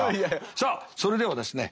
さあそれではですね